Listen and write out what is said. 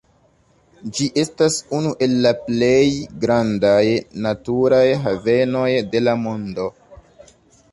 Ĝi estas unu el la plej grandaj naturaj havenoj de la mondo.